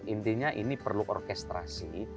intinya ini perlu orkestrasi